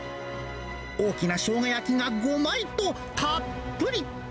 大きなショウガ焼きが５枚と、たっぷり。